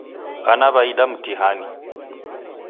W'ana w'aida mtihani